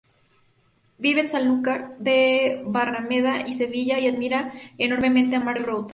Vive entre Sanlúcar de Barrameda y Sevilla y admira enormemente a Mark Rothko.